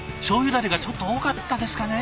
だれがちょっと多かったですかね。